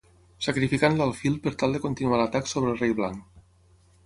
Sacrificant l’alfil per tal de continuar l’atac sobre el rei blanc.